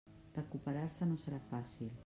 Recuperar-se no serà fàcil.